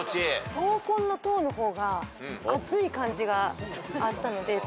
闘魂の「闘」の方が熱い感じがあったので「闘」